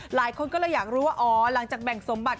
หลายคนก็เลยอยากรู้ว่าอ๋อหลังจากแบ่งสมบัติ